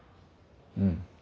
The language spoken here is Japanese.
うん。